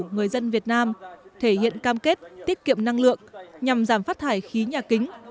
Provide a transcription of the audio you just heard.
người dân việt nam thể hiện cam kết tiết kiệm năng lượng nhằm giảm phát thải khí nhà kính